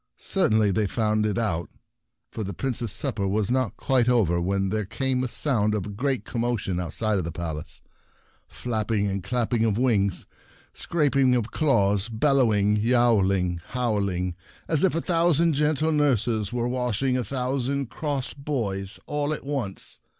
Certainly they found it out, for the Prince's supper was not quite over when there came the sound of a great commotion outside of the Palace— flapping and clapping of wings, scrap ing of claws, bellowing, yowl ing, howling, as if a thousand gentle nurses were washing a thousand cross boys all at once.